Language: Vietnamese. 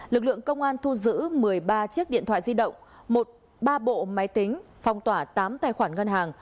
lực lượng công an thu giữ một mươi ba chiếc điện thoại di động một ba bộ máy tính phong tỏa tám tài khoản ngân hàng